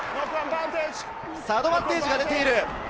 アドバンテージが出ている。